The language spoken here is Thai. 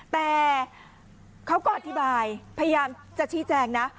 แต่เขาก็อธิบายพยายามจะชี้แจงนะ